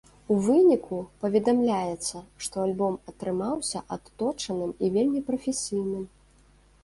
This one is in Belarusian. У выніку, паведамляецца, што альбом атрымаўся адточаным і вельмі прафесійным.